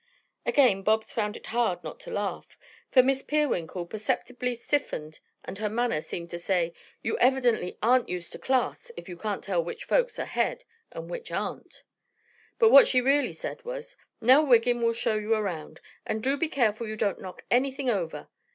Again Bobs found it hard not to laugh, for Miss Peerwinkle perceptibly stiffened and her manner seemed to say, "You evidently aren't used to class if you can't tell which folks are head and which aren't." But what she really said was: "Nell Wiggin will show you around, and do be careful you don't knock anything over.